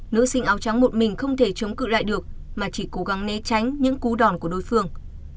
nữ sinh áo trắng một mình không thể chống cự lại được mà chỉ cố gắng né tránh những cú đòn của đối phương